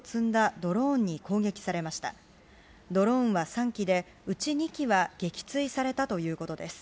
ドローンは３機で、うち２機は撃墜されたということです。